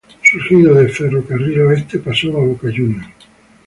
Surgido de Ferro Carril Oeste pasó a Boca Juniors.